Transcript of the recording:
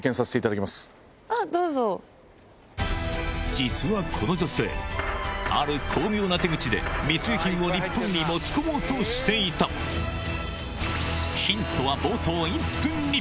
実はこの女性ある巧妙な手口で密輸品を日本に持ち込もうとしていたそうよ。